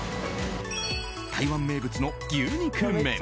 台湾名物の牛肉麺。